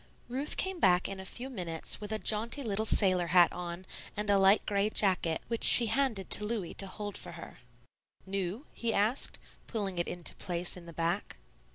Ruth came back in a few minutes with a jaunty little sailor hat on and a light gray jacket, which she handed to Louis to hold for her. "New?" he asked, pulling it into place in the back.